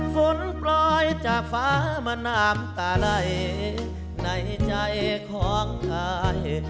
ฝุ่นปล่อยจากฟ้ามนามตาไหล่ในใจของไอ